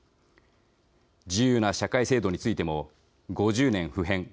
自由な社会制度についても５０年不変。